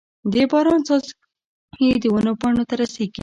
د باران څاڅکي د ونو پاڼو ته رسيږي.